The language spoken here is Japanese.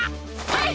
はい！